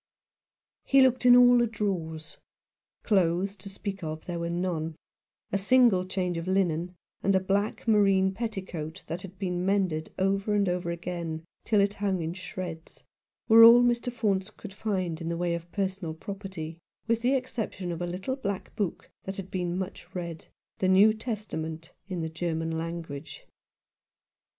He looked in all the drawers. Clothes to speak of there were none — a single change of linen, and a black moreen petticoat that had been mended over and over again till it hung in shreds, were all Mr. Faunce could find in the way of personal property, with the exception of a little black book that had been much read — the New Testament in the German language.